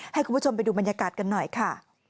ให้คุณผู้ชมไปดูบรรยากาศกันหน่อยค่ะ